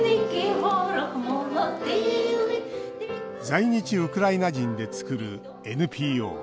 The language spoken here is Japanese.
在日ウクライナ人で作るＮＰＯ。